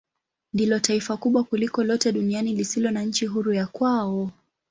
Ndilo taifa kubwa kuliko lote duniani lisilo na nchi huru ya kwao.